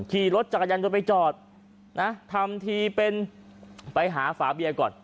ขี่รถจากอาจารย์จนไปจอดทำทีเป็นไปหาฝาเบียร์ก่อน